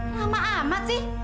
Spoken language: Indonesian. lama amat sih